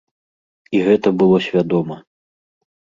І гэта было свядома.